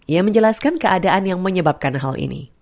ia menjelaskan keadaan yang menyebabkan hal ini